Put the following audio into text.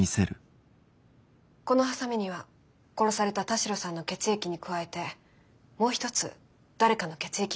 このハサミには殺された田代さんの血液に加えてもう一つ誰かの血液がついていました。